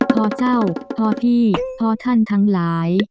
พ่อเจ้าพ่อพี่พ่อท่านทั้งหลาย